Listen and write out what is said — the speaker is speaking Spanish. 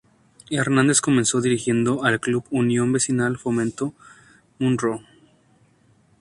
Hernández comenzó dirigiendo al club Unión Vecinal Fomento Munro.